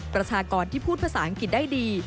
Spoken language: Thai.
ประชากรที่พูดภาษาอังกฤษได้ดี